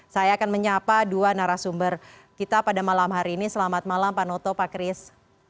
saya akan menyapa dua narasumber kita pada malam hari ini selamat malam pak noto pak kris